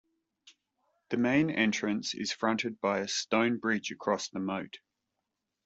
The main entrance is fronted by a stone bridge across the moat.